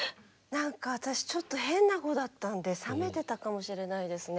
何か私ちょっと変な方だったので冷めてたかもしれないですね。